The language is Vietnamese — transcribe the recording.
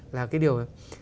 là cái điều